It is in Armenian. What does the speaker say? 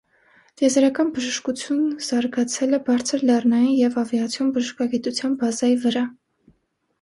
Տիեզերական բժշկագիտություն զարգացել է բարձր լեռնային և ավիացիոն բժշկագիտության բազայի վրա։